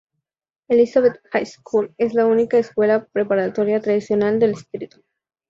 Elizabeth High School es la única escuela preparatoria tradicional del distrito.